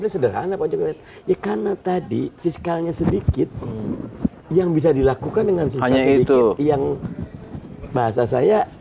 sederhana karena tadi fisikalnya sedikit yang bisa dilakukan dengan hanya itu yang bahasa saya